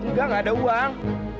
enggak gak ada uang